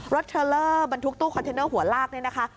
เทรลเลอร์บรรทุกตู้คอนเทนเนอร์หัวลากเนี่ยนะคะ